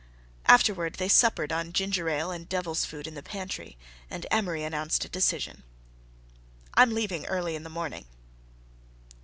Afterward they suppered on ginger ale and devil's food in the pantry, and Amory announced a decision. "I'm leaving early in the morning."